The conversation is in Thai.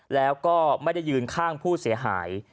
แล้วก็ไม่ได้ยืนข้างผู้เสียหาย